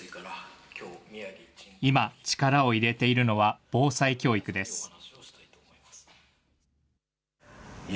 今、力を入れているのは、防災教育です。